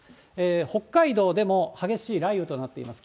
北海道でも激しい雷雨となっています。